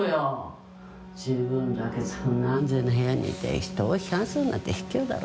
自分だけそんな安全な部屋にいて人を批判するなんて卑怯だろ。